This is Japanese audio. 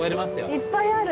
いっぱいある。